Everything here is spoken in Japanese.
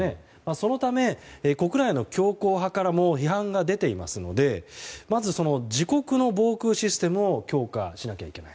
そのため、国内の強硬派からも批判が出ていますのでまず自国の防空システムを強化しなければいけない。